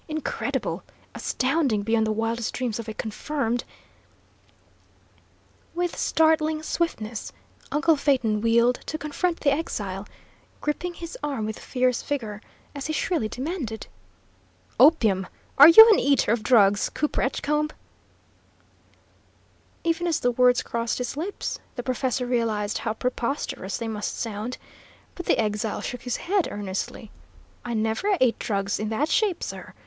Incredible! Astounding beyond the wildest dreams of a confirmed " With startling swiftness uncle Phaeton wheeled to confront the exile, gripping his arm with fierce vigour, as he shrilly demanded: "Opium are you an eater of drugs, Cooper Edgecombe?" Even as the words crossed his lips, the professor realised how preposterous they must sound, but the exile shook his head, earnestly. "I never ate drugs in that shape, sir.